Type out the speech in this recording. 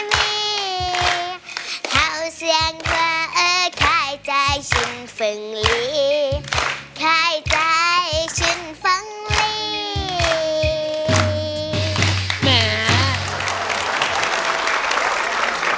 ค่ายใจฉันฝึงลี